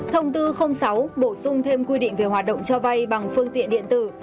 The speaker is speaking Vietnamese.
thông tư sáu bổ sung thêm quy định về hoạt động cho vay bằng phương tiện điện tử